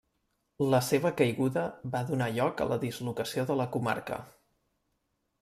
La seva caiguda va donar lloc a la dislocació de la comarca.